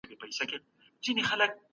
حکومتونو به نوي تړونونه لاسلیک کول.